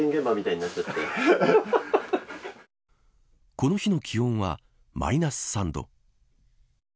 この日の気温はマイナス３度。